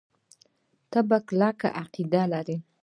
په تا کلکه عقیده لري.